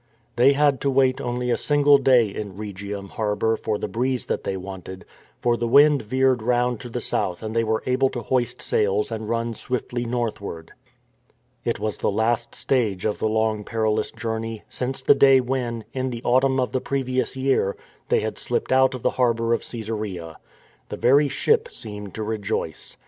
They had to wait only a single day in Rhegium harbour for the breeze that they wanted, for the wind veered round to the south and they were able to hoist sails and run swiftly northward. It was the last stage of the long perilous journey, since the day when, in the autumn of the previous year, they had slipped out of the harbour of Caesarea. The very ship seemed to rejoice.